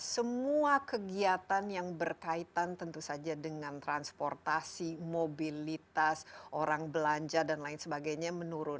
semua kegiatan yang berkaitan tentu saja dengan transportasi mobilitas orang belanja dan lain sebagainya menurun